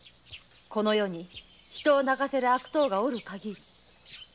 この世に人を泣かせる悪党がおるかぎり。